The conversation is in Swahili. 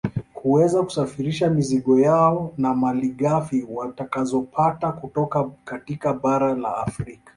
Kuweza kusafirisha mizigo yao na malighafi watakazopata kutoka katika bara la Afrika